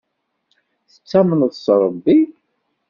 Tettamneḍ s Ṛebbi?